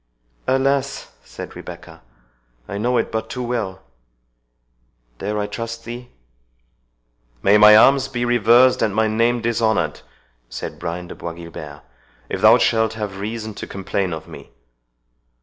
"Alas!" said Rebecca, "I know it but too well—dare I trust thee?" "May my arms be reversed, and my name dishonoured," said Brian de Bois Guilbert, "if thou shalt have reason to complain of me!